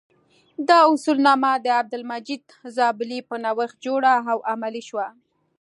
دا اصولنامه د عبدالمجید زابلي په نوښت جوړه او عملي شوه.